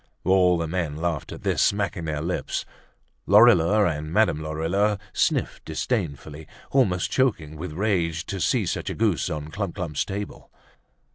All the men laughed at this, smacking their lips. Lorilleux and Madame Lorilleux sniffed disdainfully, almost choking with rage to see such a goose on Clump clump's table.